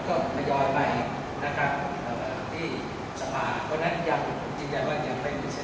ก็ยอดใหม่ที่สภาพนั้นจริงว่ายังไม่มีเสนอ